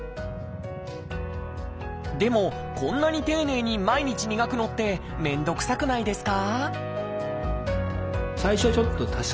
でもこんなに丁寧に毎日磨くのって面倒くさくないですか？